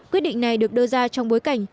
quyết định này được đưa ra trong bối cảnh